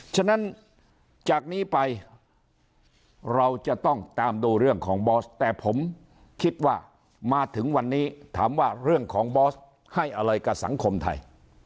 ฉะนั้นจากนี้ไปเราจะต้องตามดูเรื่องของบอสแต่ผมคิดว่ามาถึงวันนี้ถามว่าเรื่องของบอสให้อะไรกับสังคมไทย